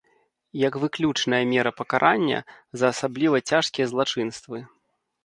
Як выключная мера пакарання за асабліва цяжкія злачынствы.